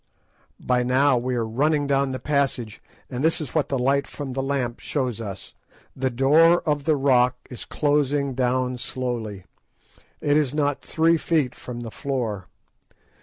_" By now we are running down the passage, and this is what the light from the lamp shows us. The door of the rock is closing down slowly; it is not three feet from the floor.